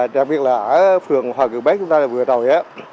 đặc biệt là ở phường hòa cường bán chúng ta vừa rồi